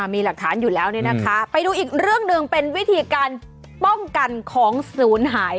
มีหลักฐานอยู่แล้วเนี่ยนะคะไปดูอีกเรื่องหนึ่งเป็นวิธีการป้องกันของศูนย์หาย